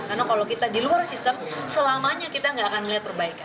karena kalau kita di luar sistem selamanya kita tidak akan melihat perbaikan